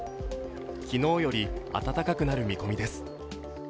昨日より暖かくなる見込みです。